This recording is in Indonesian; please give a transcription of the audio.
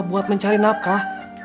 buat mencari nafkah